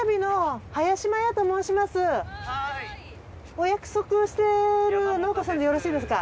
お約束をしてる農家さんでよろしいですか？